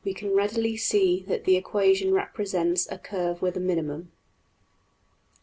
png}% readily see that the equation represents a curve with a minimum.